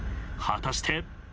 果たして？